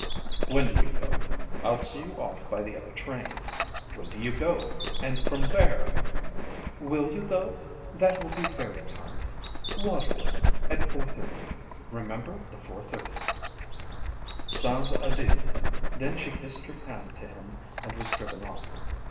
"When do you go? I'll see you off by the other train. When do you go, and from where?" "Will you though? That will be very kind. Waterloo; at 4.30. Remember the 4.30." "Sans adieu!" Then she kissed her hand to him and was driven off.